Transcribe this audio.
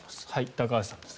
高橋さんです。